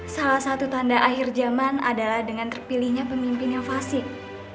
salah satu tanda akhir zaman adalah dengan terpilihnya pemimpin yang fasik